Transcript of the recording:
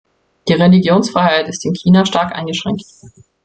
Die Religionsfreiheit ist in China stark eingeschränkt.